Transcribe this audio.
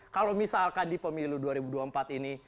kalau misalkan di pemilu dua ribu dua puluh empat ini